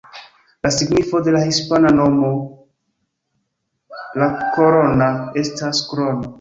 La signifo de la hispana nomo ""La Corona"" estas ""Krono"".